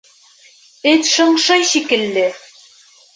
— Эт шыңшый шикелле.